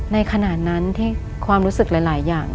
ในขณะนั้นที่ความรู้สึกหลายอย่าง